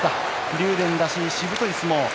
竜電らしい、しぶとい相撲。